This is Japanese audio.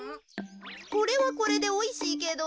これはこれでおいしいけど。